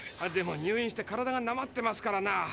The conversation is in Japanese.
でも入院して体がなまってますからな。